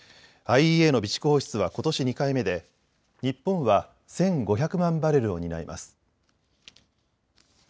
ＩＥＡの備蓄放出はことし２回目で日本は１５００万バレルを担います。